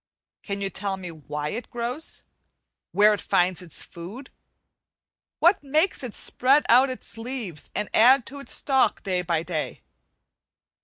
Can you tell me why it grows? where it finds its food? what makes it spread out its leaves and add to its stalk day by day?